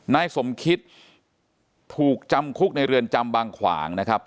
นายสมคิตถูกจำคุกในเรือนจำบางขวางนะครับ